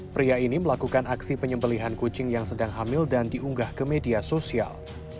pria ini melakukan aksi penyembelihan kucing yang sedang hamil dan diunggah ke media sosial